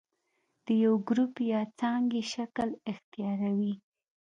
د یو ګروپ یا څانګې شکل اختیاروي.